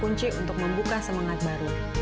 kunci untuk membuka semangat baru